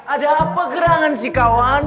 ada apa gerangan sih kawan